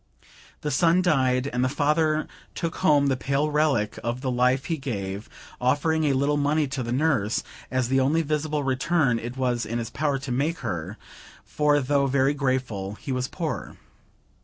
The son died; and the father took home the pale relic of the life he gave, offering a little money to the nurse, as the only visible return it was in his power to make her; for though very grateful, he was poor.